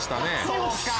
そうか！